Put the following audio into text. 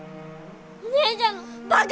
お姉ちゃんのバカ！